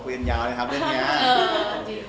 อ๋อคุยกันยาวเลยครับเรื่องนี้